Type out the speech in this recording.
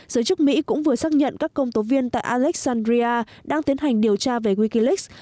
giới chức mỹ cũng vừa xác nhận các công tố viên tại alexandria đang tiến hành điều tra về wikileaks